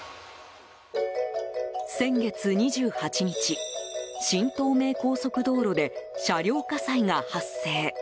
先月２８日、新東名高速道路で車両火災が発生。